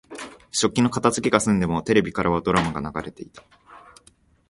食器の片づけが済んでも、テレビからはドラマが流れていた。